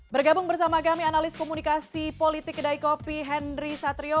bergabung bersama kami analis komunikasi politik kedai kopi henry satrio